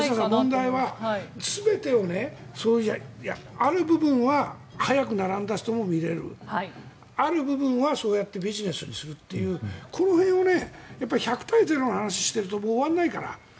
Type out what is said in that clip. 問題は全てをある部分は早く並んだ人も見れるある部分はそうやってビジネスにするというこの辺を１００対０の話をしていると終わんないから。